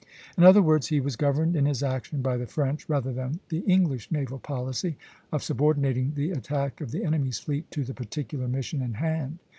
In other words, he was governed in his action by the French rather than the English naval policy, of subordinating the attack of the enemy's fleet to the particular mission in hand.